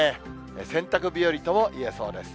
洗濯日和とも言えそうです。